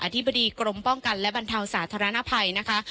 ธิบดีกรมป้องกันและบรรเทาสาธารณภัยนะคะ